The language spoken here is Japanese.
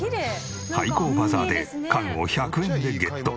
廃校バザーで家具を１００円でゲット。